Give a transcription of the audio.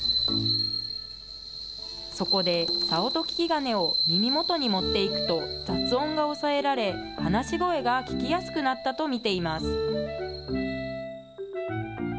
そこで、些音聞金を耳元に持っていくと、雑音が抑えられ、話し声が聞きやすくなったと見ています。